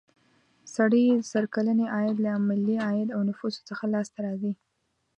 سړي سر کلنی عاید له ملي عاید او نفوسو څخه لاس ته راځي.